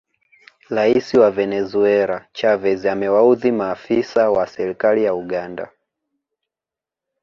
Rais wa Venezuela Chavez amewaudhi maafisa wa serikali ya Uganda